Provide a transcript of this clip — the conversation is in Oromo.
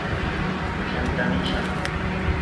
shantamii shan